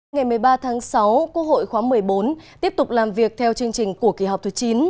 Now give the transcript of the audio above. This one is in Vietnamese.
ngày một mươi ba tháng sáu quốc hội khóa một mươi bốn tiếp tục làm việc theo chương trình của kỳ họp thứ chín